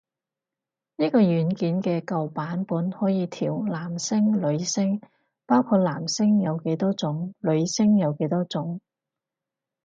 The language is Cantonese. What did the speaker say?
呢個軟件嘅舊版本可以調男聲女聲，包括男聲有幾多種女聲有幾多種